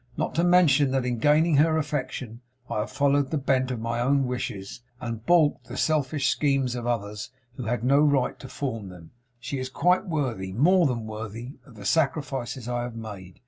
Not to mention that in gaining her affection I have followed the bent of my own wishes, and baulked the selfish schemes of others who had no right to form them. She is quite worthy more than worthy of the sacrifices I have made.